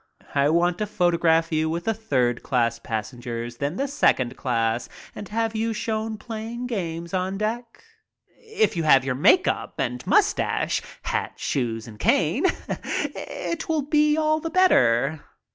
I want to photograph you with the third class passengers, then the second class, and have you shown playing games on deck. If you have your make up and your mustache, hat, shoes, and cane,.it will be all the better."